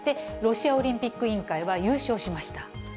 ロシアオリンピック委員会は優勝しました。